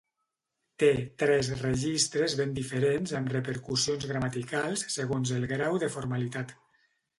Té tres registres ben diferents amb repercussions gramaticals segons el grau de formalitat.